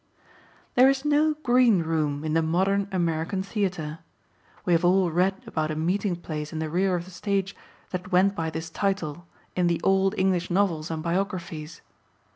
There is no "green room" in the modern American theatre. We have all read about a meeting place in the rear of the stage that went by this title in the old English novels and biographies.